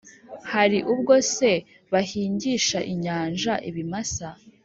hari ubwo se bahingisha inyanja ibimasa,